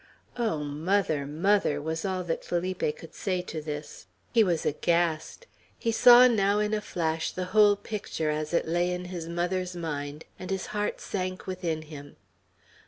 "Oh, mother! mother!" was all that Felipe could say to this. He was aghast. He saw now, in a flash, the whole picture as it lay in his mother's mind, and his heart sank within him.